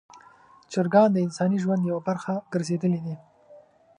چرګان د انساني ژوند یوه برخه ګرځېدلي دي.